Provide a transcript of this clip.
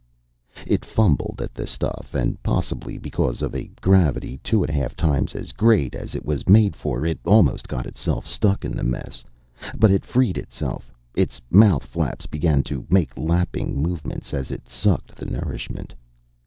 It fumbled at the stuff and, possibly because of a gravity two and a half times as great as it was made for, it almost got itself stuck in the mess. But it freed itself. Its mouth flaps began to make lapping movements as it sucked the nourishment.